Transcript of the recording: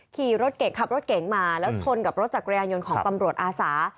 ขี่รถเก่งขับรถเก๋งมาแล้วชนกับรถจักรยานยนต์ของตำรวจอาสา